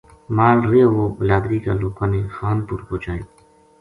مال رہیو وہ بلادری کا لوکاں نے خان پور پوہچایو